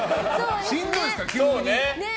しんどいですからね